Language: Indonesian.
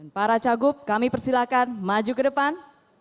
para cagup kami persilahkan maju ke depan